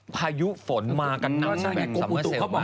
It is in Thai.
พายุฝนมากับน้ำชะเบงสำเมอร์เซลป์มา